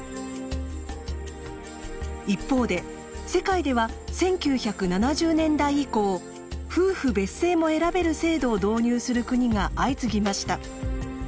一方で世界では１９７０年代以降夫婦別姓も選べる制度を導入する国が相次ぎました。